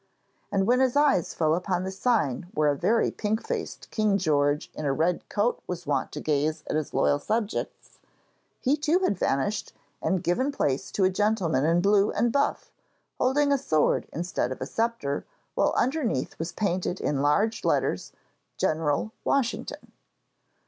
And when his eyes fell upon the sign where a very pink faced King George in a red coat was wont to gaze at his loyal subjects, he too had vanished and given place to a gentleman in blue and buff, holding a sword instead of a sceptre, while underneath was painted in large letters GENERAL WASHINGTON.